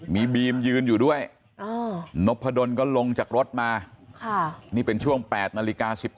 มีบีมยืนอยู่ด้วยนพดลก็ลงจากรถมานี่เป็นช่วง๘นาฬิกา๑๙